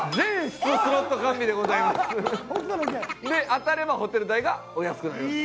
当たればホテル代がお安くなります。